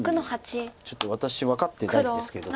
ちょっと私分かってないですけど。